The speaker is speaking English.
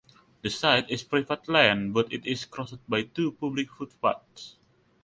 The site is private land but it is crossed by two public footpaths.